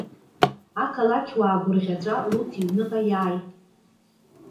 Ақалақьуаа гәырӷьаҵәа Луҭ иҩныҟа иааит.